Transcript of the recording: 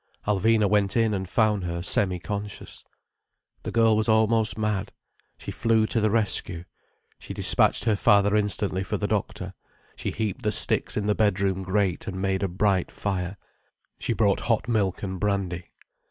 Alvina went in and found her semi conscious. The girl was almost mad. She flew to the rescue. She despatched her father instantly for the doctor, she heaped the sticks in the bedroom grate and made a bright fire, she brough hot milk and brandy.